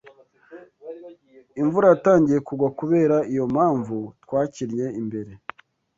Imvura yatangiye kugwa. Kubera iyo mpamvu, twakinnye imbere.